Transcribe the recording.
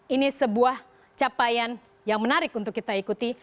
ini sebuah capaian yang menarik untuk kita ikuti